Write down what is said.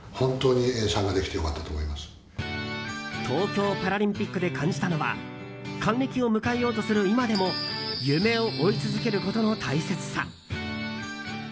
東京パラリンピックで感じたのは還暦を迎えようとする今でも夢を追い続けることの大切さ。